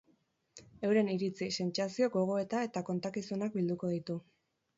Euren iritzi, sentsazio, gogoeta eta kontakizunak bilduko ditu.